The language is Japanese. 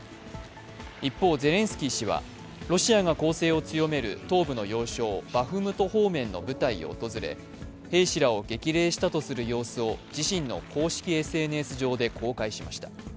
一方、ゼレンスキー氏はロシアが攻勢を強める東部の要衝、バフムト方面の部隊を訪れ、兵士らを激励したとする様子を、自身の公式ＳＮＳ上で公開しました。